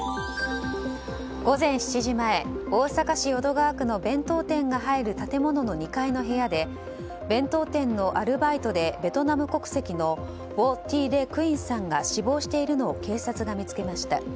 午前７時前、大阪市淀川区の弁当店が入る建物の２階の部屋で弁当店のアルバイトでベトナム国籍のヴォ・ティ・レ・クインさんが死亡しているのを警察が見つけました。